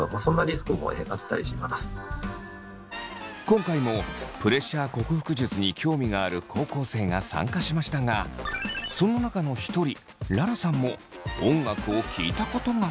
今回もプレッシャー克服術に興味がある高校生が参加しましたがその中の一人ららさんも音楽を聴いたことが。